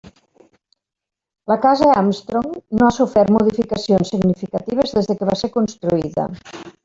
La Casa Armstrong no ha sofert modificacions significatives des que va ser construïda.